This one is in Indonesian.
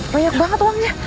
banyak banget uangnya